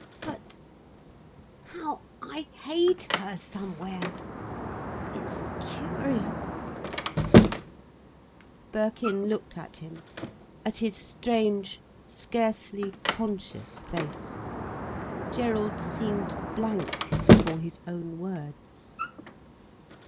But—how I hate her somewhere! It's curious—" Birkin looked at him, at his strange, scarcely conscious face. Gerald seemed blank before his own words.